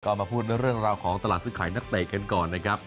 ก็มาพูดเรื่องราวของตลาดซื้อขายนักเตะกันก่อนนะครับ